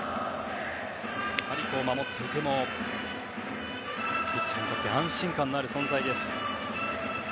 守っていてもピッチャーにとって安心感のある存在です。